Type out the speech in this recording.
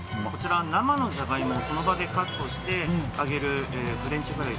生のジャガイモをその場でカットして揚げるフレンチフライ